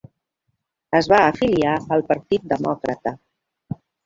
Es va afiliar al Partit Demòcrata.